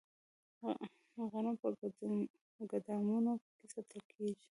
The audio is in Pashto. غنم په ګدامونو کې ساتل کیږي.